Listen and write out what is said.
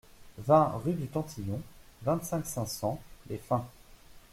vingt rue du Tantillon, vingt-cinq, cinq cents, Les Fins